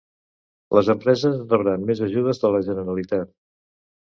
Les empreses rebran més ajudes de la Generalitat.